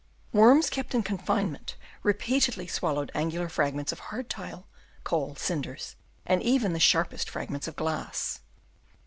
Worms kept in confinement repeatedly swallowed angular fragments of hard tile, coal, cinders, and even the sharpest fragments of glass.